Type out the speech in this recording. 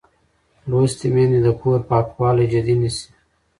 لوستې میندې د کور پاکوالی جدي نیسي.